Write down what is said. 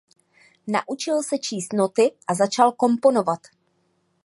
Naučil se číst noty a začal komponovat.